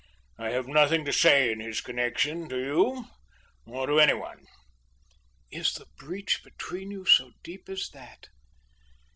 I have nothing to say in his connection to you or to any one." "Is the breach between you so deep as that!"